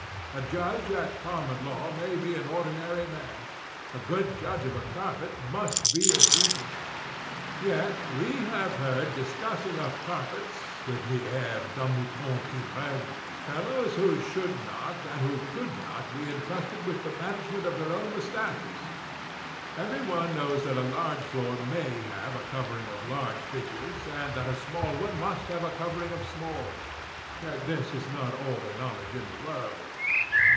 A judge at common law may be an ordinary man; a good judge of a carpet _must be _a genius. Yet we have heard discoursing of carpets, with the air "_d'un mouton qui reve," _fellows who should not and who could not be entrusted with the management of their own _moustaches. _Every one knows that a large floor _may _have a covering of large figures, and that a small one must have a covering of small—yet this is not all the knowledge in the world.